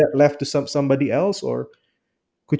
apakah itu tertinggal kepada seseorang lain